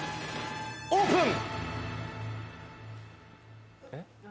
オープン！